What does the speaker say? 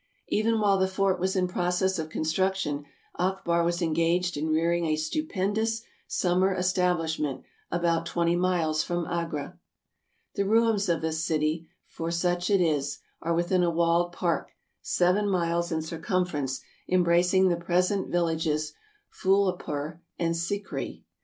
Even while the Fort was in process of construction, Akbar was engaged in rearing a stupendous summer estab lishment about twenty miles from Agra. The ruins of this city, for such it is, are within a walled park, seven miles in circumference, embracing the present villages Fullehpur and Sikri.